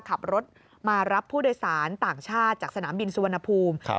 ขับรถมารับผู้โดยสารต่างชาติจากสนามบินสุวรรณภูมิ